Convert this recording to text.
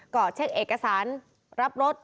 ก็เช็คเอกสารรับรถ